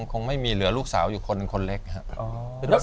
คงไม่มีเหลือลูกสาวอยู่คนเล็กครับ